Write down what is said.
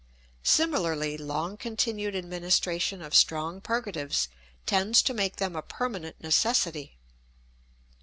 Similarly, long continued administration of strong purgatives tends to make them a permanent necessity.